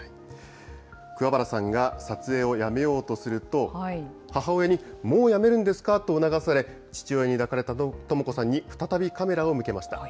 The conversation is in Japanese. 桑原さんが撮影をやめようとすると、母親にもうやめるんですかと促され、父親に抱かれた智子さんに再びカメラを向けました。